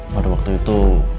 pada waktu itu